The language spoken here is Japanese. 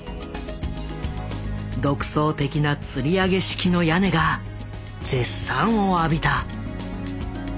独創的なつり上げ式の屋根が絶賛を浴びた。